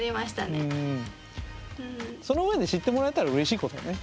その上で知ってもらえたらうれしいことだね。